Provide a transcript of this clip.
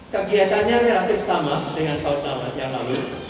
kegiatannya relatif sama dengan tahun tahun yang lalu